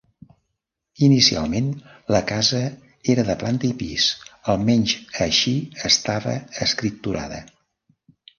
Inicialment la casa era de planta i pis, almenys així estava escripturada.